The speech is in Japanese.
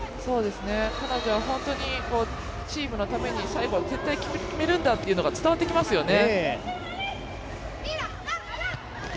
彼女は本当にチームのために最後は絶対決めるんだというのが伝わってきますよね。